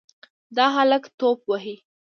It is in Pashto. دا هلک توپ وهي.